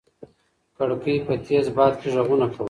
کړکۍ په تېز باد کې غږونه کول.